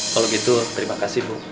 kalau gitu terima kasih bu